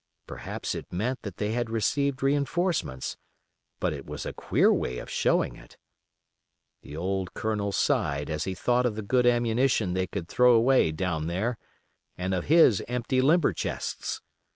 Perhaps it meant that they had received reinforcements, but it was a queer way of showing it. The old Colonel sighed as he thought of the good ammunition they could throw away down there, and of his empty limber chests.